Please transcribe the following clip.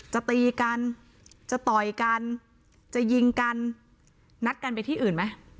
จะตีกันจะต่อยกันจะยิงกันนัดกันไปที่อื่นไหม